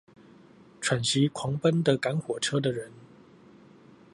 喘息狂奔的趕火車的人